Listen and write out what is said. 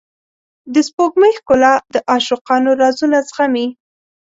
د سپوږمۍ ښکلا د عاشقانو رازونه زغمي.